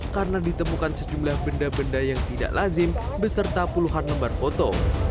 karena ditemukan sejumlah benda benda yang tidak lazim beserta puluhan lembar foto